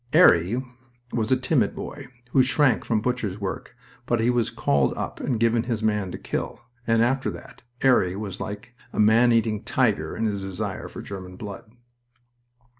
'Arry was a timid boy, who shrank from butcher's work, but he was called up and given his man to kill. And after that 'Arry was like a man eating tiger in his desire for German blood.